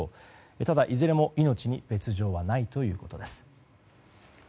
ただ、いずれも命に別条はないということです。